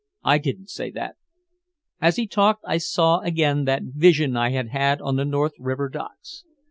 I didn't say that." As he talked I saw again that vision I had had on the North River docks.